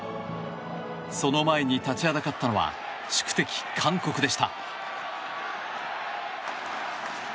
その前に立ちはだかったのは宿敵・韓国でした。